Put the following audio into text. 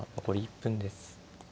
残り１分です。